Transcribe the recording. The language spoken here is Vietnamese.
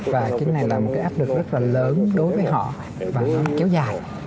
và cái này là một cái áp lực rất là lớn đối với họ và nó kéo dài